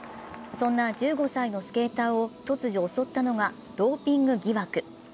そんな１５歳のスケーターを突如襲ったのがドーピング疑惑。